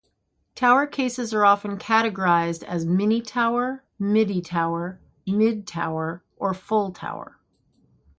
Tower cases are often categorized as mini-tower, midi-tower, mid-tower or full-tower.